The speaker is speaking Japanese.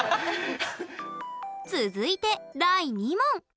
続いて第２問。